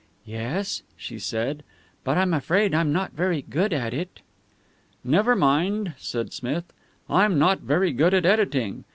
"Yes," she said, "but I'm afraid I'm not very good at it." "Never mind," said Smith. "I'm not very good at editing.